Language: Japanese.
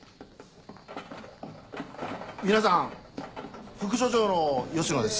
皆さん副署長の吉野です。